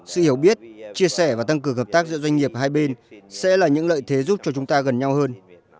sự hiểu biết chia sẻ và tăng cường hợp tác giữa doanh nghiệp hai bên sẽ là những lợi thế giúp cho chúng ta gần nhau hơn